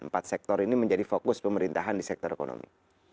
empat sektor ini menjadi fokus pemerintahan di sektor ekonomi